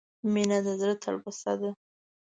• مینه د زړه تلوسه ده.